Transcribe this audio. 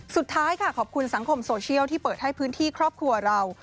สุดท้ายค่ะขอบคุณสังคมโซเชียลที่เปิดให้พื้นที่ครอบครัวเรา